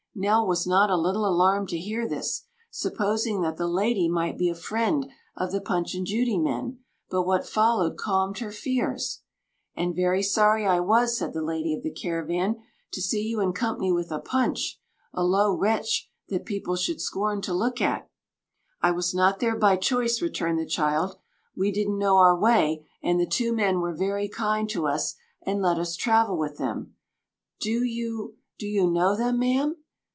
Nell was not a little alarmed to hear this, supposing that the lady might be a friend of the Punch and Judy men, but what followed calmed her fears. "And very sorry I was," said the lady of the caravan, "to see you in company with a Punch—a low wretch, that people should scorn to look at." "I was not there by choice," returned the child; "we didn't know our way, and the two men were very kind to us, and let us travel with them. Do you—do you know them, ma'am?"